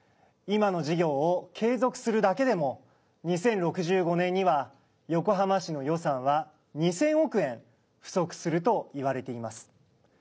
今の事業を継続するだけでも２０６５年には横浜市の予算は２０００億円不足するといわれています。